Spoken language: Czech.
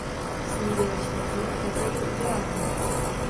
Slíbili jsme to a také to uděláme.